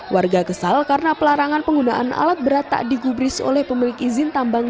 warga kesal karena pelarangan penggunaan alat berat tak digubris oleh pemilik izin tambang